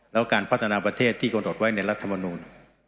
แล้วการพัฒนาประเทศที่กำหนดไว้ในรัฐมนูล